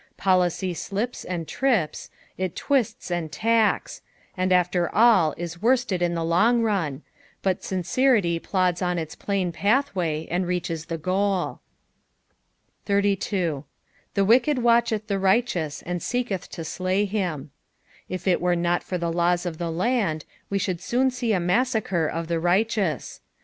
Policy Blips and trips, it twists and tacks, and after all is worsted in the long run, but mncerity plods on its plain pathway ■nd reaches the bosI. 83. " Tha teiiStd wateheth the righiwvt, and teeketk to tlay him." If it were not for the laws of the land, we should soon see a massacre of the righteous.